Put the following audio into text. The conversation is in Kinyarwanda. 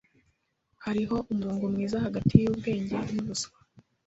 Hariho umurongo mwiza hagati yubwenge nubuswa.